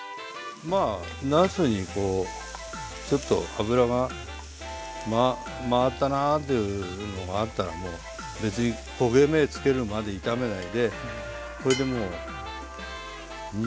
まあなすにこうちょっと油が回ったなっていうのがあったらもう別に焦げ目つけるまで炒めないでこれでもう煮ちゃえばいいんです。